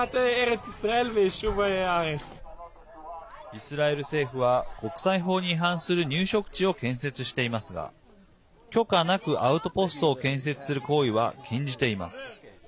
イスラエル政府は国際法に違反する入植地を建設していますが許可なくアウトポストを建設する行為は禁じています。